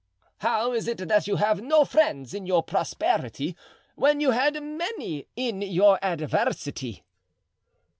"How is it that you have no friends in your prosperity when you had many in adversity?"